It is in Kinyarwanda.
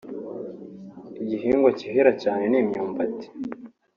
igihingwa kihera cyane ni imyumbati